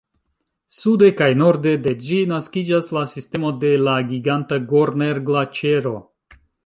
Sude kaj norde de ĝi naskiĝas la sistemo de la giganta Gorner-Glaĉero.